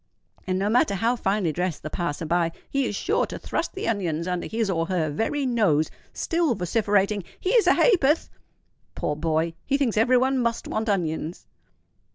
"—and, no matter how finely dressed the passer by, he is sure to thrust the onions under his or her very nose, still vociferating, "Here's a ha'porth!" Poor boy! he thinks every one must want onions!